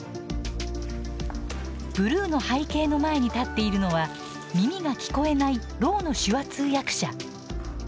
ブルーの背景の前に立っているのは耳が聞こえないろうの手話通訳者。